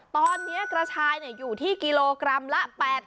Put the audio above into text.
ตอนนี้กระชายอยู่ที่กิโลกรัมละ๘๐